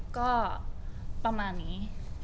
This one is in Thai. ก็ประมาณนี้